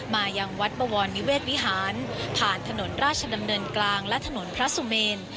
มายังวัดบวรนิเวศวิหารผ่านถนนราชดำเนินกลางและถนนพระสุเมน